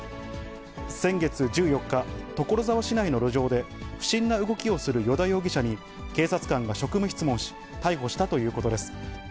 先月１４日、所沢市内の路上で不審な動きをする依田容疑者に警察官が職務質問し、逮捕したということです。